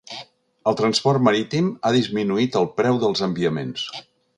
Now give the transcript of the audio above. El transport marítim ha disminuït el preu dels enviaments.